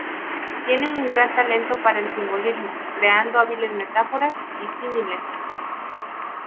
Tienen un gran talento para el simbolismo, creando hábiles metáforas y símiles.